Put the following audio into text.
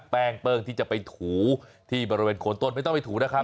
แป้งเปิ้งที่จะไปถูที่บริเวณโคนต้นไม่ต้องไปถูนะครับ